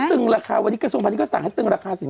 ตึงราคาวันนี้กระทรวงพาณิชก็สั่งให้ตึงราคาสินค้า